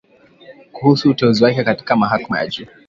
kuhusu uteuzi wake katika mahakama ya juu